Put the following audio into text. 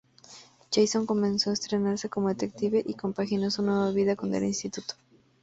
Jason comenzó a entrenarse como detective y compaginó su nueva vida con el instituto.